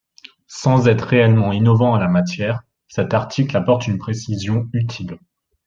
Sans être réellement innovant en la matière, cet article apporte une précision utile.